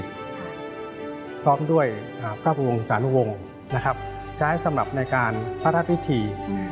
พร้อมด้วยพระบุงสานวงศ์ใช้สำหรับในการพระราชวิธี